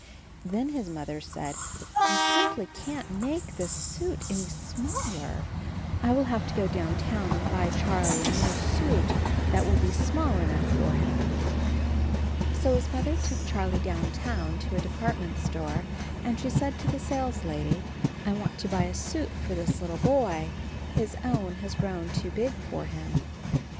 Then his Mother said, 'T simply can't make this suit any smaller; I will have to 82 CHARLIE go downtown and buy Charlie a new suit that will be small enough for him." So his Mother took Charlie downtown to a department store, and she said to the sales lady, "I want to buy a suit for this little boy. His own has grown too big for him."